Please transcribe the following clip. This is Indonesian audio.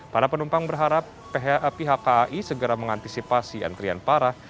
para penumpang berharap pihak kai segera mengantisipasi antrian parah